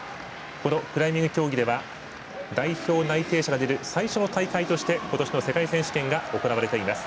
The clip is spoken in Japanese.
クライミング競技では代表内定者が出る最初の大会として今年の世界選手権が行われています。